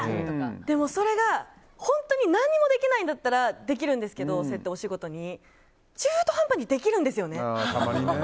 でも、それが本当に何もできないんだったらお仕事にできるんですけど中途半端にできるんですよね。